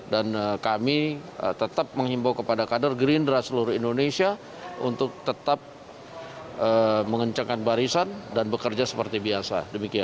dan kami tetap menghimbau kepada kader gerindra seluruh indonesia untuk tetap mengencangkan barisan dan bekerja seperti biasa